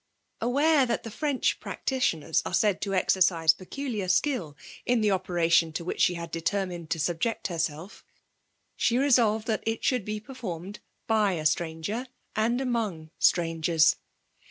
Aware that the French practitioners are said to exercise peculiar skill in the operation to which she had determined to subject herself, she resolved that it should be performed by a stranger and among strangers.